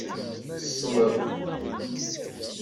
Ṣleb.